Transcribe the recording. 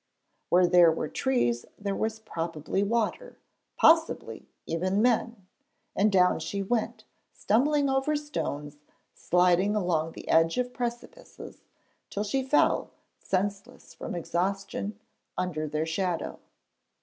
Where there were trees, there was probably water; possibly, even men! And down she went, stumbling over stones, sliding along the edge of precipices, till she fell, senseless from exhaustion, under their shadow.